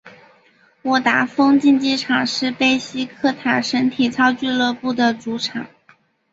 沃达丰竞技场是贝西克塔什体操俱乐部的主场。